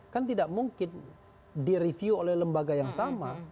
kan tidak mungkin di review oleh lembaga yang sama